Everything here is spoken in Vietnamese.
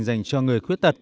dành cho người khuyết tật